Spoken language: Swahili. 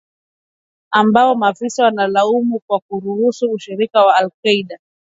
ambao maafisa wanalaumu kwa kuruhusu ushirika wa al-Qaida